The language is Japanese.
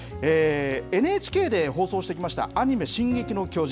ＮＨＫで放送してきましたアニメ、進撃の巨人。